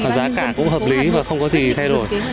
giá cả cũng hợp lý và không có gì thay đổi